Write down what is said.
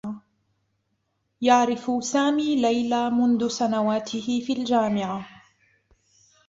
يعرف سامي ليلى منذ سنواته في الجامعة.